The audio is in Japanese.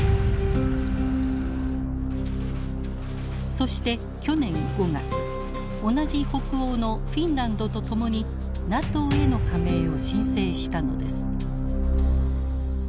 そして去年５月同じ北欧のフィンランドと共にＮＡＴＯへの加盟を申請したのです。